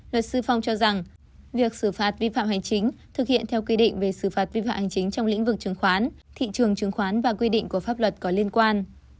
luật sư phong cho rằng việc xử phạt vi phạm hành chính thực hiện theo quy định về xử phạt vi phạm hành chính trong lĩnh vực chứng khoán thị trường chứng khoán và quy định của pháp luật có liên quan